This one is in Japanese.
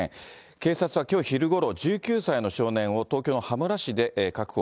警察はきょう昼ごろ、１９歳の少年を東京の羽村市で確保。